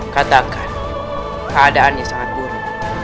katakan keadaannya sangat buruk